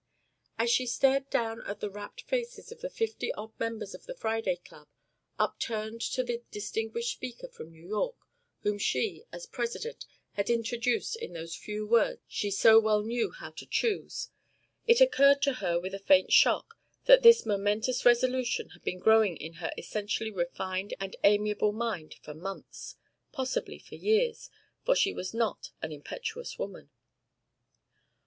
As she stared down at the rapt faces of the fifty odd members of the Friday Club, upturned to the distinguished speaker from New York, whom she, as President, had introduced in those few words she so well knew how to choose, it occurred to her with a faint shock that this momentous resolution had been growing in her essentially refined and amiable mind for months, possibly for years; for she was not an impetuous woman.